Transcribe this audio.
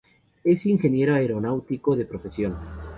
Es ingeniero aeronáutico de profesión.